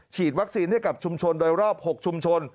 วัคซีนให้กับชุมชนโดยรอบ๖ชุมชน